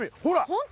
本当？